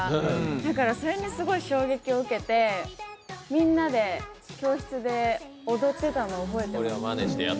だから、それに衝撃を受けてみんなで教室で踊ってたのを覚えてます。